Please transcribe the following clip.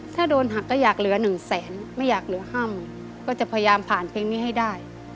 ถ้าโดนหักก็อยากเหลือหนึ่งแสนไม่อยากเหลือห้ามก็จะพยายามผ่านเพลงนี้ให้ได้